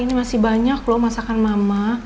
ini masih banyak loh masakan mama